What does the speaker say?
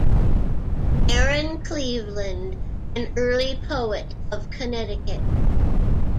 Aaron Cleveland, an early poet of Connecticut.